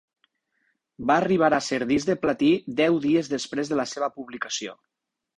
Va arribar a ser disc de platí deu dies després de la seva publicació.